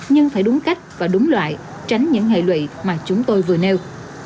nhưng phải đúng cách và đúng loại tránh những hệ lụy mà chúng tôi vừa nêu